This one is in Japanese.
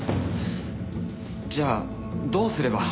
じゃあどうすれば。